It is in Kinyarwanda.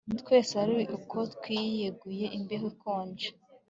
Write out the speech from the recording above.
Twese ariko twiteguye imbeho ikonje